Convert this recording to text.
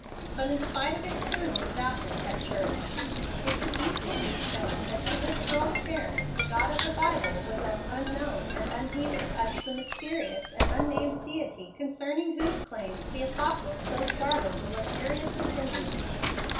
But in spite of external devoutness at church, it could easily be shown that to this girl's parents the God of the Bible was as "unknown" and unheeded as the mysterious and unnamed deity concerning whose claims the Apostle so startled the luxurious Athenians.